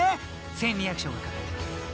［１，２００勝が懸かってます］